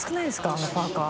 あのパーカー。